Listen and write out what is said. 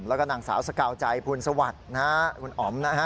และหนังสาวสก่าวใจสวัสดีคุณอ๋อม